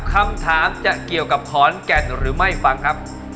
คำถามจะเกี่ยวกับขอนแก่นหรือไม่ฟังครับ